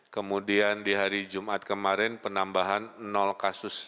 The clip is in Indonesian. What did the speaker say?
kemudian di hari jumat kemarin penambahan kasus